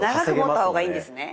長く持った方がいいんですね。